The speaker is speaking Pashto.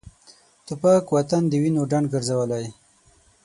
توپک وطن د وینو ډنډ ګرځولی.